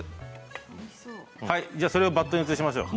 じゃあそれをバットに移しましょう。